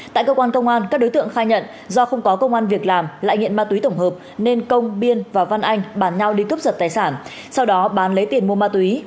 tại cơ quan công an các đối tượng khai nhận do không có công an việc làm lại nghiện ma túy tổng hợp nên công biên và văn anh bàn nhau đi cướp giật tài sản sau đó bán lấy tiền mua ma túy